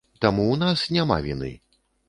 Таму, у нас няма віны.